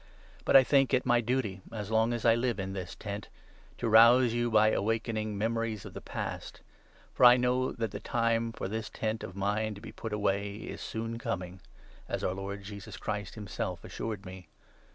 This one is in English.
But I think it my duty, as long as 13 I live in this 'tent,' to rouse you by awakening memories of the past ; for I know that the time for this ' tent ' of mine to 14 be put away is soon coming, as our Lord Jesus Christ himself assured me.